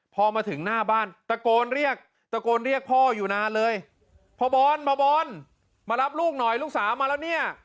พอมาถึงหน้าบ้านตะโกนเรียกตะโกนเรียกพ่ออยู่นานเลยพ่อบอลพ่อบอลมารับลูกหน่อยลูกสาวมาแล้วเนี่ย